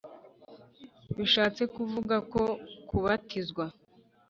bishatse kuvuga ko kubatizwa